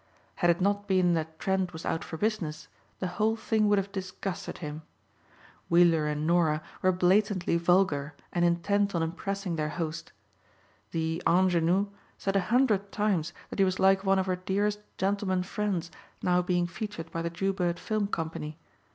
Had it not been that Trent was out for business the whole thing would have disgusted him. Weiller and Norah were blatantly vulgar and intent on impressing their host. The "anjenou" said a hundred times that he was like one of her dearest "gentlemen friends" now being featured by the Jewbird Film company.